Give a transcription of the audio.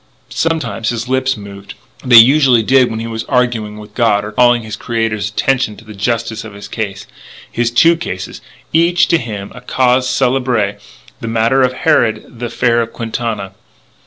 Sometimes his lips moved. They usually did when he was arguing with God or calling his Creator's attention to the justice of his case. His two cases each, to him, a cause célèbre; the matter of Harrod; the affair of Quintana.